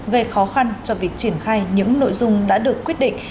gây khó khăn cho việc triển khai những nội dung đã được quyết định